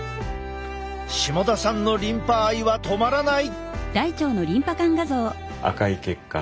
下田さんのリンパ愛は止まらない。